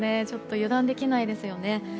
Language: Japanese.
ちょっと油断できないですよね。